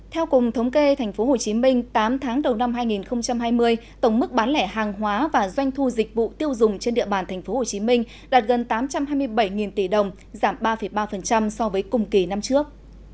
theo cùng thống kê tp hcm tám tháng đầu năm hai nghìn hai mươi tổng mức bán lẻ hàng hóa và doanh thu dịch vụ tiêu dùng trên địa bàn tp hcm đạt gần tám trăm hai mươi bảy tỷ đồng giảm ba ba so với cùng kỳ năm trước